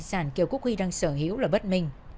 khối tài sản kiều quốc huy đang sở hữu là bất minh